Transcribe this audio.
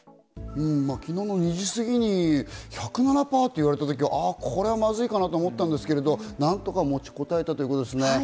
昨日の２時過ぎに１０７パーと言われた時、これはまずいかなと思ったんですけれども、何とか持ちこたえたということですね。